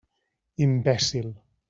Imbècil.